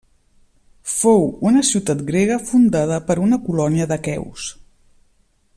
Fou una ciutat grega fundada per una colònia d'aqueus.